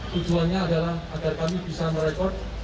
tujuannya adalah agar kami bisa merekod